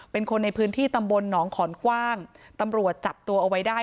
เป็นคนในพื้นที่ตำบลหนองขอนกว้างตำรวจจับตัวเอาไว้ได้